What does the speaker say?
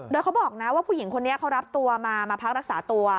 โดยเขาบอกนะว่าผู้หญิงคนนี้เขารับตัวมามาพักรักษาตัว